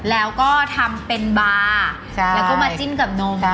แล้วก็ทำเป็นบาร์แล้วก็มาจิ้มกับนม